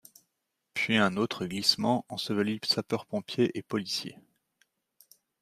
Puis un autre glissement ensevelit sapeurs-pompiers et policiers.